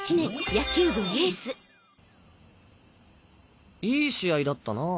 野球部エースいい試合だったな。